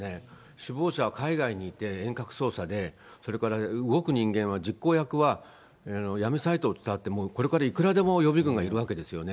首謀者は海外にいて遠隔操作で、それから動く人間は、実行役は闇サイトを使って、これからいくらでも予備軍がいるわけですよね。